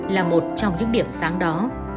là một trong những điểm sáng đó